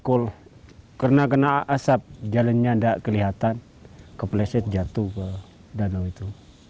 pukul kena kena asap jalannya tidak kelihatan kepleset jatuh ke danau itu